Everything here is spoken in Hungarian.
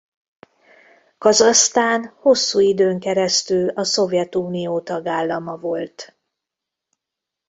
Kazahsztán hosszú időn keresztül a Szovjetunió tagállama volt.